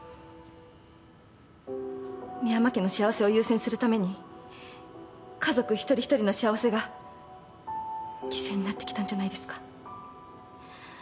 深山家の幸せを優先するために家族一人一人の幸せが犠牲になってきたんじゃないですか？